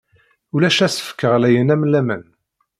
Ulac asefk ɣlayen am laman.